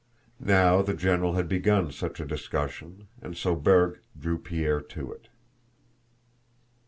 Now the general had begun such a discussion and so Berg drew Pierre to it.